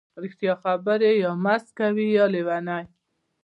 ـ رښتیا خبرې یا مست کوي یا لیوني.